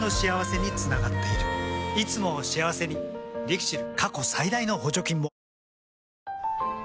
いつもを幸せにＬＩＸＩＬ。